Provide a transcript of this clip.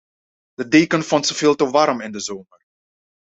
De deken vond ze veel te warm in de zomer.